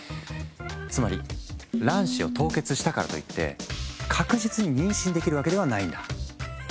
つまり卵子を凍結したからといって確実に妊娠できるわけではないんだ。